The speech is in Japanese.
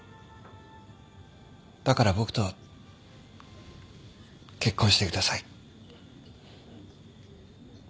だから僕と結婚してください。